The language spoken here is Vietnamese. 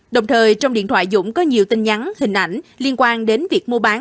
đồng thời trong điện thoại dũng có nhiều tin nhắn hình ảnh liên quan đến việc mua bán